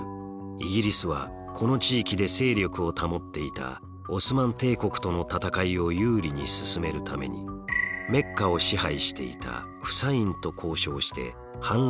イギリスはこの地域で勢力を保っていたオスマン帝国との戦いを有利に進めるためにメッカを支配していたフサインと交渉して反乱を起こさせます。